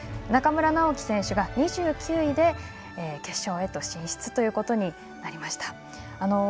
中村直幹選手が２９位で決勝へ進出ということになりました。